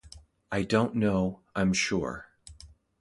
I don't know, I'm sure.